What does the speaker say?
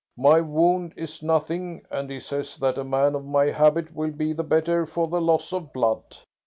My wound is nothing, and he says that a man of my habit will be the better for the loss of blood.